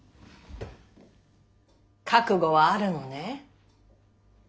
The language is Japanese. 覚悟はあるのね？